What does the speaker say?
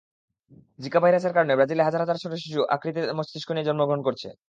Zika ভাইরাসের কারণে ব্রাজিলে হাজার হাজার শিশু ছোট আকৃতির মস্তিষ্ক নিয়ে জন্মগ্রহণ করছে।